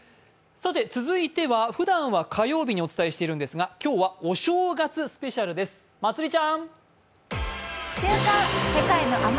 続いてはふだんは火曜日にお伝えしているんですが今日はお正月スペシャルです、まつりちゃん。